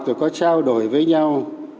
rồi có trao đổi với nhau